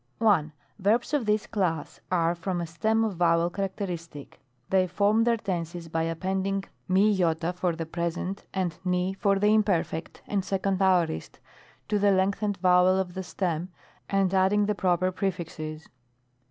1. Verbs of this class are from a stem of vowel characteristic. They form their tenses by appendmg /^ c for the Pres. and v for the Imperf. and 2d Aor. to the lengthened vowel of the stem, and adding the proper prej&xes.